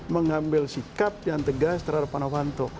mengambil sikap yang tegas terhadap pak novanto